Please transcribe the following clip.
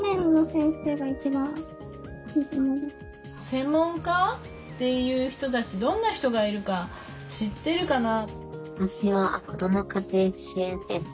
専門家っていう人たちどんな人がいるか知ってるかな？